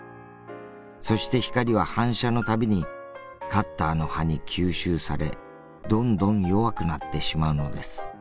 そして光は反射の度にカッターの刃に吸収されどんどん弱くなってしまうのです。